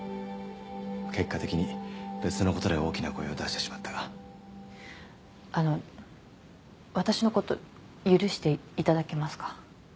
結果的に別のことで大きな声を出してしまったがあの私のこと許していただけますか？